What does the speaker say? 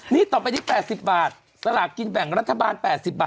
นี่ต่อไปที่แปดสิบบาทสลับกินแบ่งรัฐบาลแปดสิบบาท